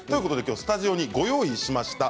スタジオにご用意しました。